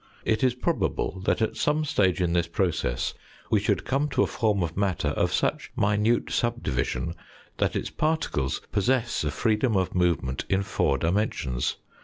It is probable that at some stage in this process we should come to a form of matter of such minute subdivision that its particles possess a freedom of movement in four dimensions.